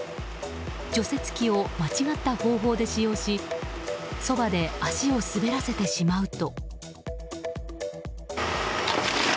除雪機を間違った方法で使用しそばで足を滑らせてしまうと。